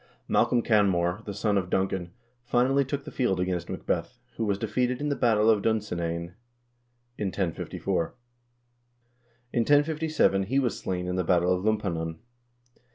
4 Malcolm Canmore, the son of Duncan, finally took the field against Macbeth, who was defeated in the battle of Dunsinane in 1054. In 1057 he was slain in the battle of Lumphanan.